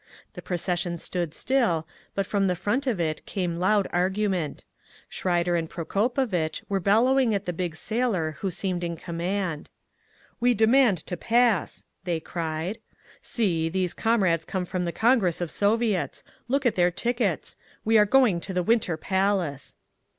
The procession stood still, but from the front of it came loud argument. Schreider and Prokopovitch were bellowing at the big sailor who seemed in command. "We demand to pass!" they cried. "See, these comrades come from the Congress of Soviets! Look at their tickets! We are going to the Winter Palace!"